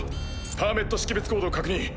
パーメット識別コード確認。